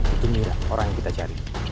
itu milik orang yang kita cari